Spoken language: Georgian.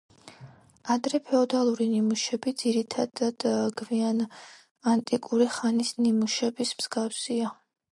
ადრეფეოდალური ნიმუშები ძირითადად გვიანანტიკური ხანის ნიმუშების მსგავსია.